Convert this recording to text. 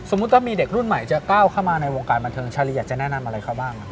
ถ้ามีเด็กรุ่นใหม่จะก้าวเข้ามาในวงการบันเทิงชาลีอยากจะแนะนำอะไรเขาบ้าง